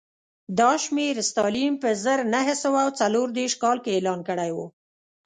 دا شمېر ستالین په زر نه سوه څلور دېرش کال کې اعلان کړی و